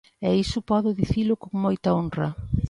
E iso podo dicilo con moita honra.